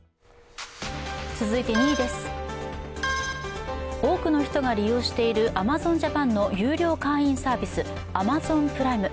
続いて２位です、多くの人が利用しているアマゾンジャパンの有料会員サービスアマゾンプライム。